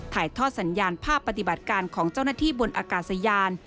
ถ่ายทอดสัญญาณภาพปฏิบัติการของเจ้าหน้าที่บนอากาศยาน